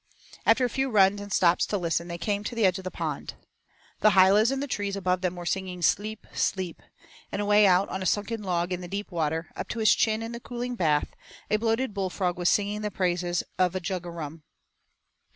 After a few runs and stops to listen, they came to the edge of the pond. The hylas in the trees above them were singing 'sleep, sleep,' and away out on a sunken log in the deep water, up to his chin in the cooling bath, a bloated bullfrog was singing the praises of a 'jug o' rum.'